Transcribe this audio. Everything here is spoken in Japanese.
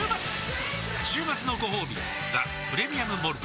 週末のごほうび「ザ・プレミアム・モルツ」